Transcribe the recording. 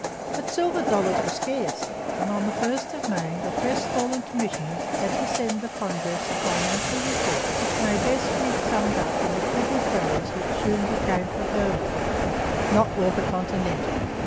But silver dollars were scarce; and on the 1st of May the crestfallen commissioners had to send the Congress a financial report which may best be summed up in a pithy phrase which soon became proverbial 'Not worth a Continental.'